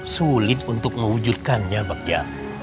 sulit untuk mewujudkannya bagja